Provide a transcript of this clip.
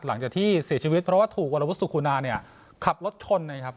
หลังจากที่เสียชีวิตเพราะว่าถูกวรวุสุขุนาเนี่ยขับรถชนนะครับ